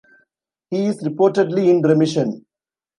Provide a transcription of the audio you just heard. He is reportedly in remission.